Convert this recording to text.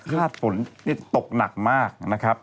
ญาติฝนตกหนักมากนะครับ